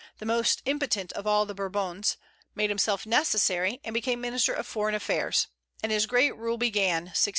the most impotent of all the Bourbons, made himself necessary, and became minister of foreign affairs; and his great rule began (1624).